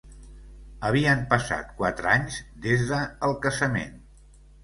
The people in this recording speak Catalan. Havien passat quatre anys des de el casament